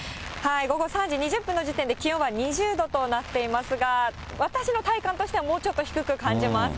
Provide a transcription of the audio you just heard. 午後３時２０分の時点で、気温は２０度となっていますが、私の体感としては、もうちょっと低く感じます。